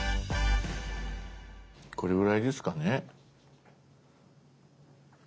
これぐらいですかね。